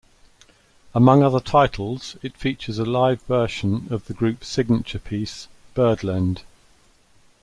Among other titles, it features a live version of the group's signature piece "Birdland".